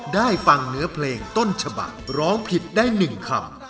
ได้ฟังเนื้อเพลงต้นฉบักร้องผิดได้๑คำ